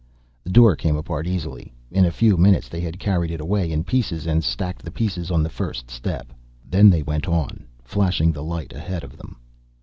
The door came apart easily. In a few minutes they had carried it away in pieces and stacked the pieces on the first step. Then they went on, flashing the light ahead of them.